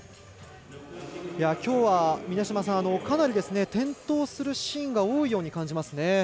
きょうは、かなり転倒するシーンが多いように感じますね。